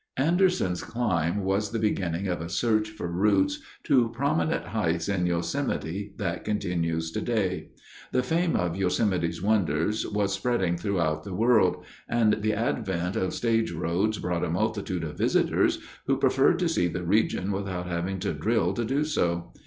Anderson's climb was the beginning of a search for routes to prominent heights in Yosemite that continues today. The fame of Yosemite's wonders was spreading through the world, and the advent of stage roads brought a multitude of visitors who preferred to see the region without having to drill to do so.